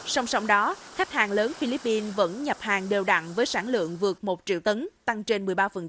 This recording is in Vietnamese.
song song đó khách hàng lớn philippines vẫn nhập hàng đều đặn với sản lượng vượt một triệu tấn tăng trên một mươi ba